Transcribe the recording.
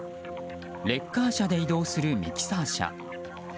レッカー車で移動するミキサー車。